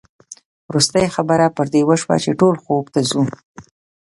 وروستۍ خبره پر دې وشوه چې ټول خوب ته ځو.